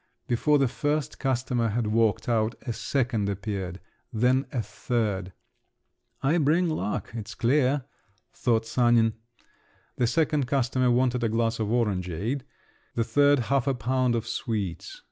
Before the first customer had walked out, a second appeared, then a third…. "I bring luck, it's clear!" thought Sanin. The second customer wanted a glass of orangeade, the third, half a pound of sweets.